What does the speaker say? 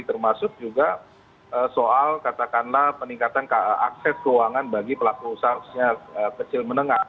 termasuk juga soal katakanlah peningkatan akses keuangan bagi pelaku usaha kecil menengah